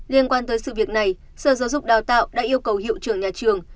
liên quan tới sự việc này sở giáo dục đào tạo đã yêu cầu hiệu trưởng nhà trường